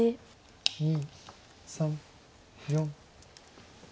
２３４。